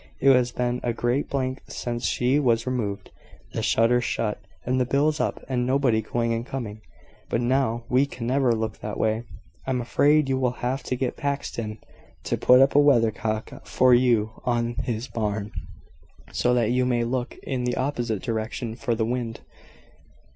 It has been a great blank since she was removed the shutters shut, and the bills up, and nobody going and coming. But now we can never look that way." "I am afraid you will have to get Paxton to put up a weathercock for you on his barn, so that you may look in the opposite direction for the wind."